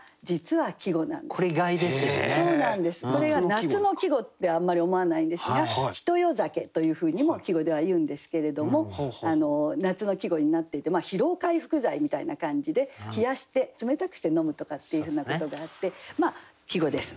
夏の季語ってあんまり思わないんですが「一夜酒」というふうにも季語ではいうんですけれども夏の季語になっていて疲労回復剤みたいな感じで冷やして冷たくして飲むとかっていうふうなことがあって季語です。